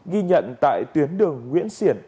ghi nhận tại tuyến đường nguyễn siển